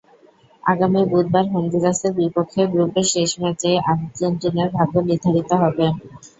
আগামী বুধবার হন্ডুরাসের বিপক্ষে গ্রুপের শেষ ম্যাচেই আর্জেন্টিনার ভাগ্য নির্ধারিত হবে।